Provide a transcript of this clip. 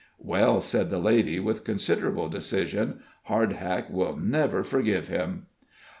"Well," said the lady, with considerable decision, "Hardhack will never forgive him."